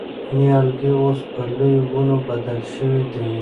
نیالګي اوس په لویو ونو بدل شوي دي.